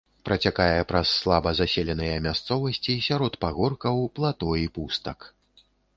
Працякае праз слаба заселеныя мясцовасці сярод пагоркаў, плато і пустак.